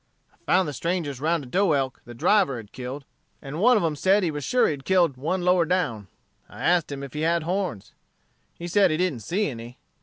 I found the strangers round a doe elk the driver had killed; and one of 'em said he was sure he had killed one lower down. I asked him if he had horns. He said he didn't see any.